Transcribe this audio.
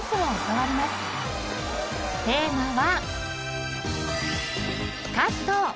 ［テーマは］